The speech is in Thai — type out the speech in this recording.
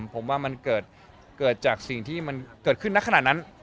ผมว่ามันเกิดจากสิ่งที่มันเกิดขึ้นในขณะนั้น